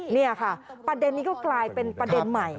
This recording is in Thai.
นี่ค่ะประเด็นนี้ก็กลายเป็นประเด็นใหม่